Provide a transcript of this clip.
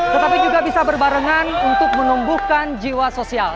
tetapi juga bisa berbarengan untuk menumbuhkan jiwa sosial